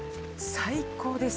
最高です。